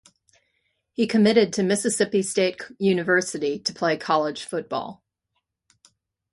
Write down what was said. He committed to Mississippi State University to play college football.